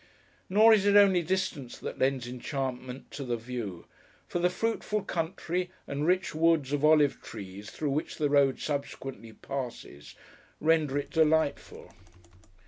Nor is it only distance that lends enchantment to the view; for the fruitful country, and rich woods of olive trees through which the road subsequently passes, render it delightful.